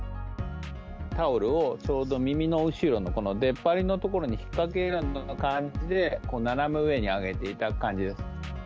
タオルをちょうど耳の後ろの、この出っ張りの所に引っ掛けるような感じで、斜め上に上げていただく感じです。